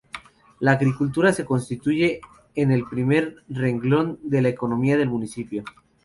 La agricultura se constituye en el primer renglón de la economía del municipio.